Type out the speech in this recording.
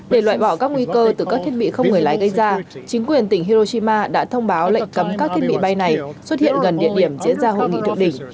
để loại bỏ các nguy cơ từ các thiết bị không người lái gây ra chính quyền tỉnh heroshima đã thông báo lệnh cấm các thiết bị bay này xuất hiện gần địa điểm diễn ra hội nghị thượng đỉnh